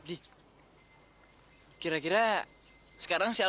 ini pak lima ratus ribunya